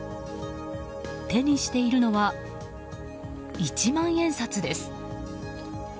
手にしているのは一万円札です。